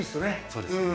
そうですね。